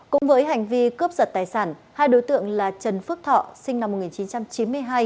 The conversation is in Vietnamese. cũng với hành vi cướp giật tài sản hai đối tượng là trần phước thọ sinh năm một nghìn chín trăm chín mươi hai